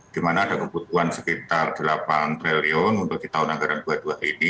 di mana ada kebutuhan sekitar delapan triliun untuk di tahun anggaran dua puluh dua ini